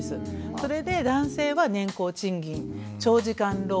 それで男性は年功賃金長時間労働。